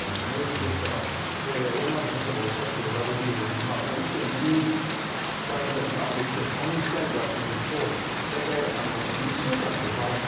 ですから、大曲先生がおっしゃっておられるように１．２倍ぐらいあるいは１．３に近い倍数ですと大体２週間で倍と。